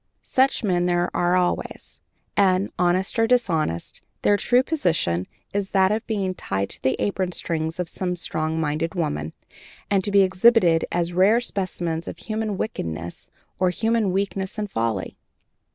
Such men there are always, and, honest or dishonest, their true position is that of being tied to the apron strings of some strong minded woman, and to be exhibited as rare specimens of human wickedness or human weakness and folly.